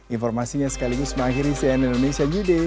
informasinya sekaligus mengakhiri cnn indonesia new day